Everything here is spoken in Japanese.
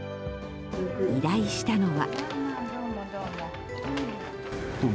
依頼したのは。